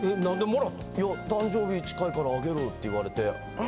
いや「誕生日近いからあげる」って言われて。